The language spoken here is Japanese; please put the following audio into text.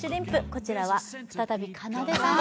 こちらは再びかなでさんに。